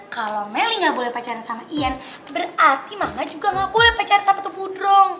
kalau meli gak boleh pacaran sama ian berarti mama juga gak boleh pacaran sama tubudrong